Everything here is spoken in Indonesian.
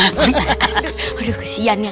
aduh kasihan ya